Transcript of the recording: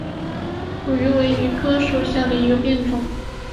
蜀榆为榆科榆属下的一个变种。